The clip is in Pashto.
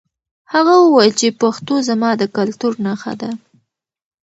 هغه وویل چې پښتو زما د کلتور نښه ده.